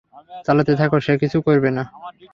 চালাতে থাকো, সে কিছু করবে না।